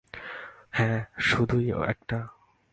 হ্যাঁ, শুধুই একটা।